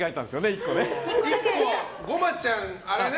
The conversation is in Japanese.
１個、ごまちゃんね。